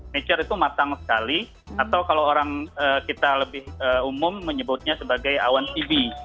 nature itu matang sekali atau kalau orang kita lebih umum menyebutnya sebagai awan ibi